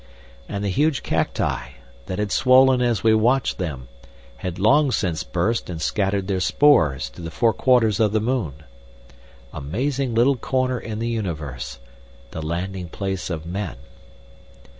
And the huge cacti, that had swollen as we watched them, had long since burst and scattered their spores to the four quarters of the moon. Amazing little corner in the universe—the landing place of men!